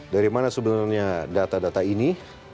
dari mana sebenarnya data data ini